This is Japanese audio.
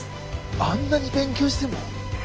あんなに勉強しても？